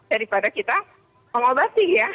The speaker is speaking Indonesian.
daripada kita mengobati ya